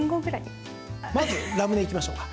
まず、ラムネ行きましょうか。